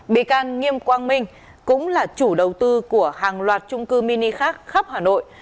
bị can nghiêm quang minh cũng là chủ đầu tư của hàng loạt trung cư mini khác khắp hà nội